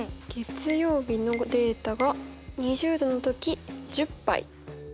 月曜日のデータが２０℃の時１０杯。